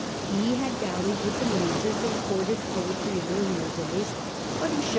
He had dallied with the Muses, and courted poetry in earlier years ; but he showed A.